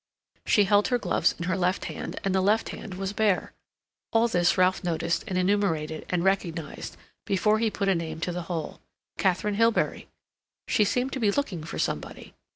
She held her gloves in her left hand, and the left hand was bare. All this Ralph noticed and enumerated and recognized before he put a name to the whole—Katharine Hilbery. She seemed to be looking for somebody.